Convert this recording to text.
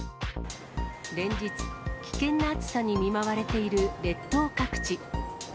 連日、危険な暑さに見舞われている列島各地。